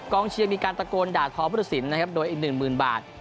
กองเชียงมีการตะโกนด่าท้อพุทธศิลป์นะครับโดยอีกหนึ่งหมื่นบาท